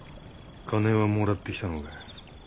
金はもらってきたのか？